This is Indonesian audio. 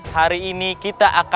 hari ini kita akan membantu warga